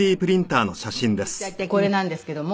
うちにこれなんですけども。